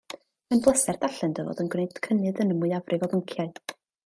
Mae'n bleser darllen dy fod yn gwneud cynnydd yn y mwyafrif o bynciau